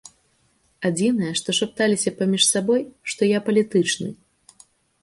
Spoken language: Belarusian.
Адзінае што шапталіся паміж сабой, што я палітычны.